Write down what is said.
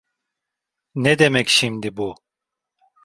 Ne demek şimdi bu?